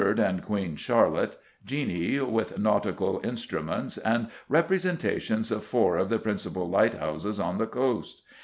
and Queen Charlotte, genii with nautical instruments, and representations of four of the principal lighthouses on the coast.